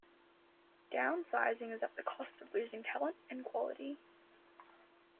Downsizing is at the cost of losing talent and quality.